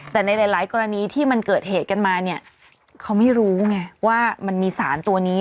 แต่ในหลายกรณีที่มันเกิดเหตุกันมาเนี่ยเขาไม่รู้ไงว่ามันมีสารตัวนี้